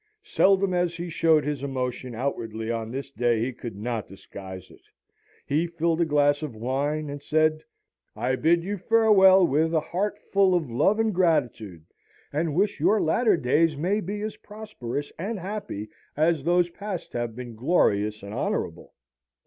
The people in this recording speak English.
Seldom as he showed his emotion, outwardly, on this day he could not disguise it. He filled a glass of wine, and said, 'I bid you farewell with a heart full of love and gratitude, and wish your latter days may be as prosperous and happy as those past have been glorious and honourable.'